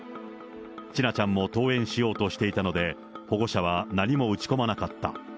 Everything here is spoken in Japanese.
千奈ちゃんも登園しようとしていたので、保護者は何も打ち込まなかった。